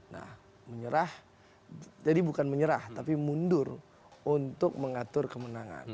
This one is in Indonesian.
nah menyerah jadi bukan menyerah tapi mundur untuk mengatur kemenangan